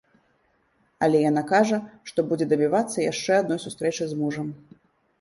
Але яна кажа, што будзе дабівацца яшчэ адной сустрэчы з мужам.